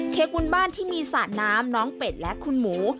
กุลบ้านที่มีสระน้ำน้องเป็ดและคุณหมู